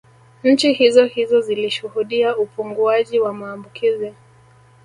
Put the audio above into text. Nchi hizohizo zilishuhudia upunguaji wa maambukizi